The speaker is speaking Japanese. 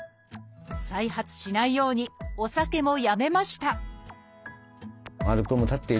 再発しないようにお酒もやめました